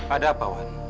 ada apa wan